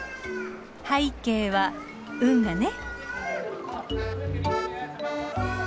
背景は運河ね。